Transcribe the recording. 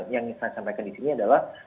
yang saya sampaikan di sini adalah